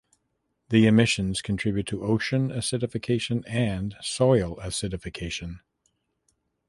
The emissions contribute to ocean acidification and soil acidification.